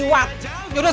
yaudah sebutan pergi